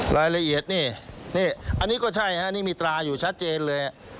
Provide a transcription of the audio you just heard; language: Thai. รายละเอียดอันนี้ก็ใช่อันนี้มีตราอยู่ชัดเจนเลย